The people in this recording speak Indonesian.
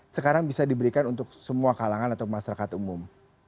sekarang bisa diberikan untuk semua kalangan atau masyarakat umum